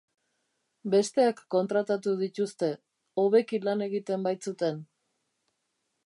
Besteak kontratatu dituzte, hobeki lan egiten baitzuten.